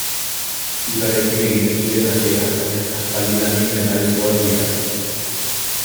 Zurarekin egiten ziren hasieran, baina, aspaldidanik, metalezkoak dira.